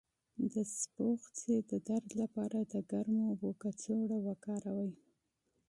د مثانې د درد لپاره د ګرمو اوبو کڅوړه وکاروئ